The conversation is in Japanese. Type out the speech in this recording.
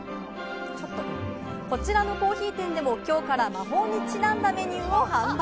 こちらのコーヒー店でも、きょうから魔法にちなんだメニューを販売。